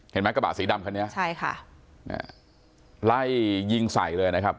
เห็นไหมกระบะสีดำคันนี้ใช่ค่ะไล่ยิงใส่เลยนะครับ